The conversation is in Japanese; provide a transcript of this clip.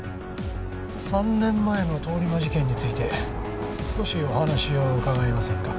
３年前の通り魔事件について少しお話を伺えませんか？